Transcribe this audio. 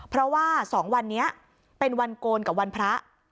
เพราะว่า๒วันนี้เป็นวันโกนกับวันพระ